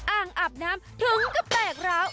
อ่างอาบน้ำถุงก็แตกร้าว